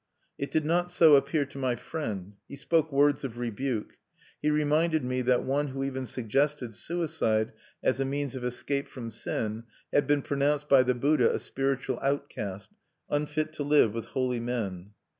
It did not so appear to my friend. He spoke words of rebuke. He reminded me that one who even suggested suicide as a means of escape from sin had been pronounced by the Buddha a spiritual outcast, unfit to live with holy men.